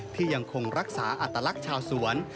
ที่ยังคงรักษาอัตลักษณ์ชาวสวน